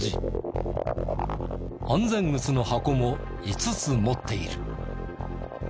安全靴の箱も５つ持っている。